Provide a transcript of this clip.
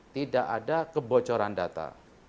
tidak ada kebocoran data